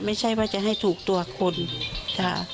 ไม่ใช่ว่าจะให้ถูกตัวคนค่ะ